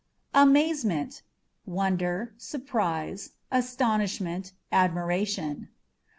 Amazementâ€" wonder, surprise, astonishment, admiration.